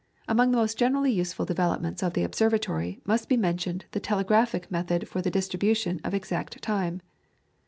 Among the most generally useful developments of the observatory must be mentioned the telegraphic method for the distribution of exact time.